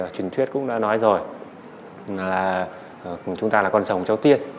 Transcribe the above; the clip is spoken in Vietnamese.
chuyển thuyết cũng đã nói rồi là chúng ta là con rồng châu tiên